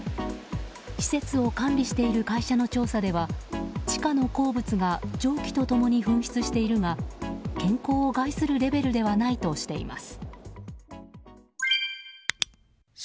施設を管理している会社の調査では地下の鉱物が蒸気と共に噴出しているが健康を害するレベルではないとしています。